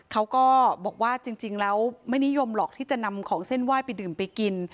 เขาก็บอกว่าจริงแล้วไม่นิยมหรอกที่จะนำของเส้นไหว้ไปดื่มไปกิน